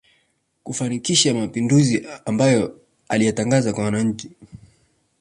Kufanikisha mapinduzi amabayo aliyatangaza kwa wananchi